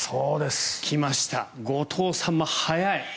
来ました、後藤さんも速い。